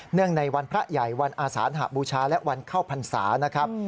ในวันพระใหญ่วันอาสานหบูชาและวันเข้าพรรษานะครับ